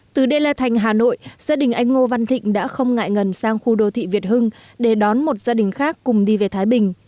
từ đê la thành hà nội gia đình anh ngô văn thịnh đã không ngại ngần sang khu đô thị việt hưng để đón một gia đình khác cùng đi về thái bình